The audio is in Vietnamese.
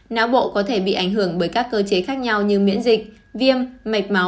náo bộ có thể bị ảnh hưởng bởi các cơ chế khác nhau như miễn dịch viêm mệch máu